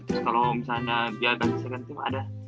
terus kalo misalnya biar bahas second team ada